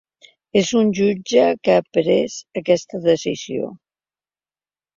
És un jutge que ha pres aquesta decisió.